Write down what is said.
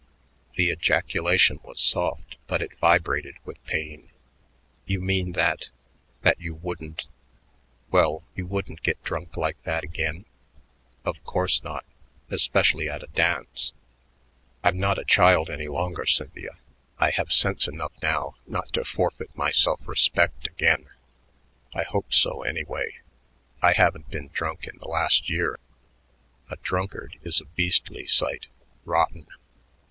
The ejaculation was soft, but it vibrated with pain. "You mean that that you wouldn't well, you wouldn't get drunk like that again?" "Of course not, especially at a dance. I'm not a child any longer, Cynthia. I have sense enough now not to forfeit my self respect again. I hope so, anyway. I haven't been drunk in the last year. A drunkard is a beastly sight, rotten.